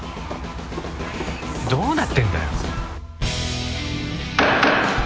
どうなってんだよ